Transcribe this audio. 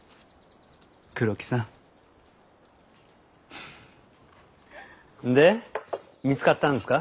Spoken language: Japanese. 黒木さん。で見つかったんですか？